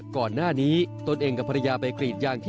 ก่อนหน้านี้ตนเองกับภรรยาไปกรีดยางที่